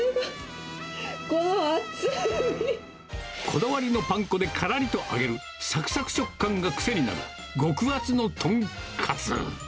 こだわりのパン粉でからりと揚げる、さくさく食感が癖になる、極厚の豚カツ。